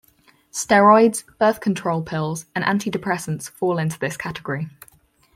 Steroids, birth control pills, and antidepressants fall into this category.